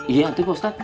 iya pak ustad